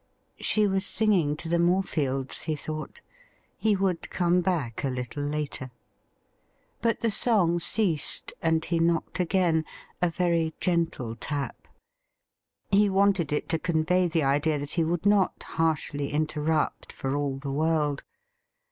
She was singing to the Morefields, he thought. He would come back a little later. But the song ceased, and he knocked again — a very gentle tap. He wanted it to convey the idea that he would not harshly interrupt for all the world.